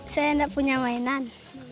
saya tidak punya mainan